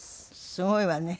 すごいわね。